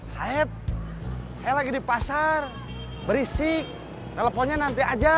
saya lagi di pasar berisik teleponnya nanti aja